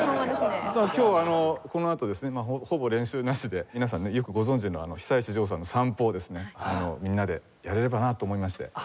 今日このあとですねほぼ練習なしで皆さんねよくご存じの久石譲さんの『さんぽ』をですねみんなでやれればなと思いまして。